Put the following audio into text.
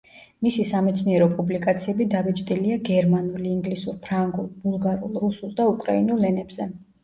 მისი სამეცნიერო პუბლიკაციები დაბეჭდილია გერმანულ, ინგლისურ, ფრანგულ, ბულგარულ, რუსულ და უკრაინულ ენებზე.